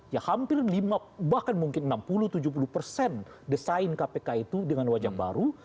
ya hampir lima bahkan mungkin enam puluh tujuh puluh persen desain kpk itu dengan wajah baru